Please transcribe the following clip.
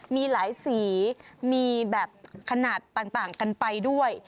มีหลายสีมีแบบขนาดต่างกันไปด้วย